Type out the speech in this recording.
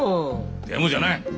でもじゃない。